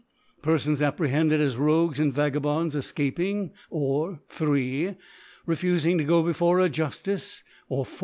Perfons apprehended as Rogues and Vagabonds efcaping, or, 3. refufing to go before a Juftice, or, 4.